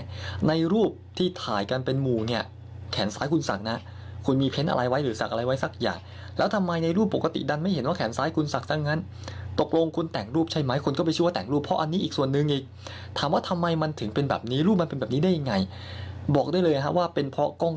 ในรูปที่ถ่ายกันเป็นหมู่เนี่ยแขนซ้ายคุณศักดิ์นะคุณมีเพ้นอะไรไว้หรือศักดิ์อะไรไว้สักอย่างแล้วทำไมในรูปปกติดันไม่เห็นว่าแขนซ้ายคุณศักดิ์ซะงั้นตกลงคุณแต่งรูปใช่ไหมคนก็ไปชั่วแต่งรูปเพราะอันนี้อีกส่วนหนึ่งอีกถามว่าทำไมมันถึงเป็นแบบนี้รูปมันเป็นแบบนี้ได้ยังไงบอกได้เลยฮะว่าเป็นเพราะกล้อง